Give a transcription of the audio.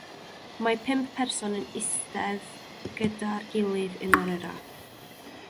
Mae pump person yn eistedd gyda'i gilydd yn yr eira.